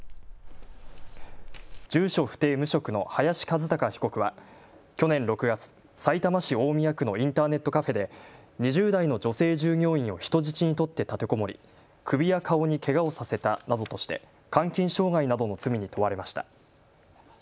住所不定・無職の林一貴被告は去年６月、さいたま市大宮区のインターネットカフェで２０代の女性従業員を人質に取って立てこもり首や顔にけがをさせたなどとして監禁傷害などの罪に問われました。